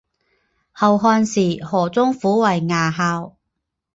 后汉时河中府为牙校。